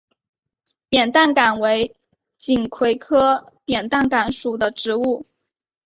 扁担杆为锦葵科扁担杆属的植物。